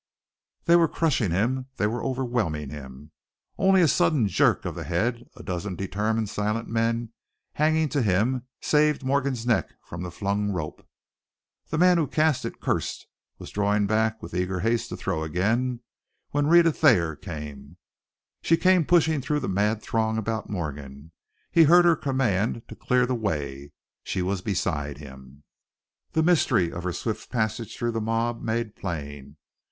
They were crushing him, they were overwhelming him. Only a sudden jerk of the head, a dozen determined, silent men hanging to him, saved Morgan's neck from the flung rope. The man who cast it cursed; was drawing it back with eager haste to throw again, when Rhetta Thayer came. She came pushing through the mad throng about Morgan, he heard her command to clear the way; she was beside him, the mystery of her swift passage through the mob made plain.